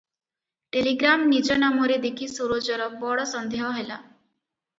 Telegram ନିଜ ନାମରେ ଦେଖି ସରୋଜର ବଡ଼ ସନ୍ଦେହ ହେଲା ।